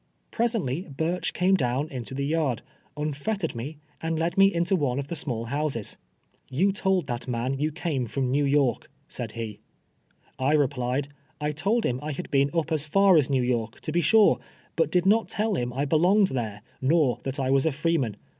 J^resently Ihirch came down into the yard, unfettered nie, and Km! uie into one of the small houses. '• Yon told that man you came from iXew York," paid lie. r replied, " I told him I had been up as far as l^ew York, to be sure, but did not tell him I belonged there, nor that I was a freeman.